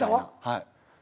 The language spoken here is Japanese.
はい。